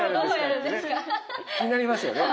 気になりますよね。